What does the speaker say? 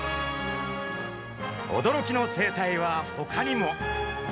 驚きの生態はほかにも。